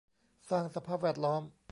สร้างสภาพแวดล้อม